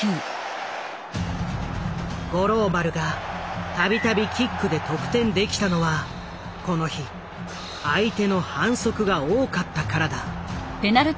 五郎丸が度々キックで得点できたのはこの日相手の反則が多かったからだ。